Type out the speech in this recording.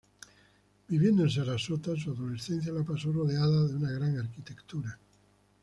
Viviendo en Sarasota, su adolescencia la pasó rodeada de una gran arquitectura.